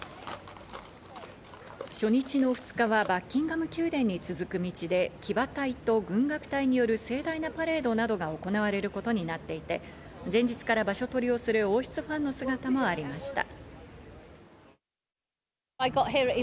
初日の２日はバッキンガム宮殿に続く道で騎馬隊と軍楽隊による盛大なパレードなどが行われることになっていて、前日から場所取りをする王室ファンの姿もありました。